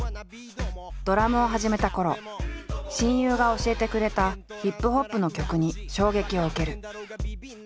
ドラムを始めたころ親友が教えてくれたＨＩＰＨＯＰの曲に衝撃を受ける。